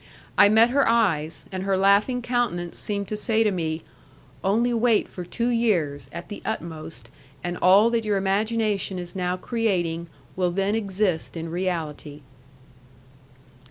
I met her eyes, and her laughing countenance seemed to say to me: "Only wait for two years, at the utmost, and all that your imagination is now creating will then exist in reality."